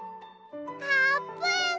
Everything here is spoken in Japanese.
あーぷん！